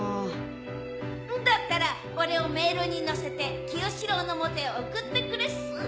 だったら俺をメールにのせて清司郎の元へ送ってくれっす。